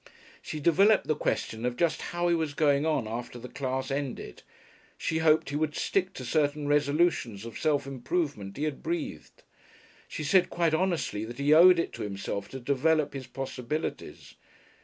She developed the question of just how he was going on after the class ended. She hoped he would stick to certain resolutions of self improvement he had breathed. She said quite honestly that he owed it to himself to develop his possibilities.